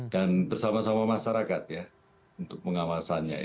dan bersama sama masyarakat ya untuk pengawasannya ya